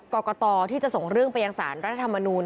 กรกตที่จะส่งเรื่องไปยังสารรัฐธรรมนูล